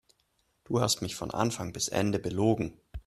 Du hast mich von Anfang bis Ende belogen.